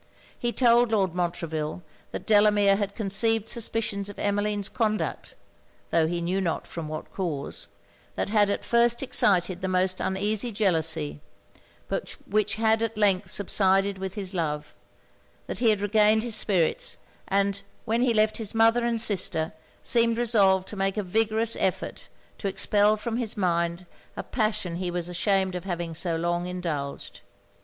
He told Lord Montreville that Delamere had conceived suspicions of Emmeline's conduct, (tho' he knew not from what cause) that had at first excited the most uneasy jealousy, but which had at length subsided with his love; that he had regained his spirits; and, when he left his mother and sister, seemed resolved to make a vigorous effort to expel from his mind a passion he was ashamed of having so long indulged.